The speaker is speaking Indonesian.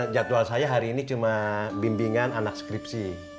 jadwal saya hari ini cuma bimbingan anak skripsi